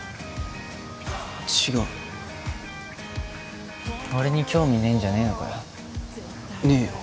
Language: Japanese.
違う俺に興味ねえんじゃねえのかよねえよ